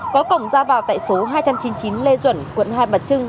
có cổng ra vào tại số hai trăm chín mươi chín lê duẩn quận hai bà trưng